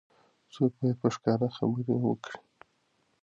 څوګ باید په ښکاره خبرې وکړي.